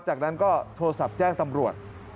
จากนั้นก็โทรศัพท์แจ้งตำรวจ